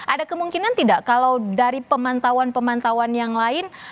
ada kemungkinan tidak kalau dari pemantauan pemantauan yang lain